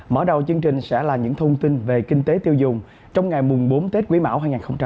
mở đầu chương trình sẽ là những thông tin về kinh tế tiêu dùng trong ngày bốn tết quý mão hai nghìn hai mươi